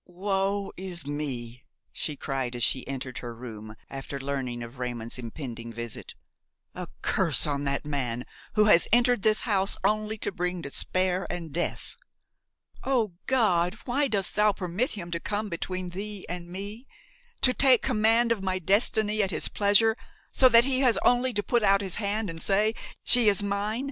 "Woe is me!" she cried as she entered her room, after learning of Raymon's impending visit. "A curse on that man, who has entered this house only to bring despair and death! O God! why dost Thou permit him to come between Thee and me, to take command of my destiny at his pleasure, so that he has only to put out his hand and say: 'She is mine!